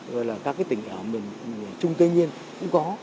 rồi là các tỉnh ở miền trung tây nhiên cũng có